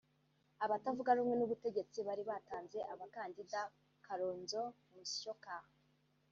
Abatavuga rumwe n’ubutegetsi bari batanze abakandida Kalonzo Musyoka